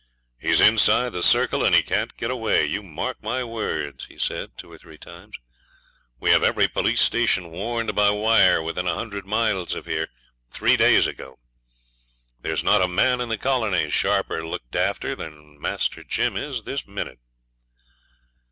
'He's inside a circle and he can't get away, you mark my words,' he said, two or three times. 'We have every police station warned by wire, within a hundred miles of here, three days ago. There's not a man in the colony sharper looked after than Master Jim is this minute.'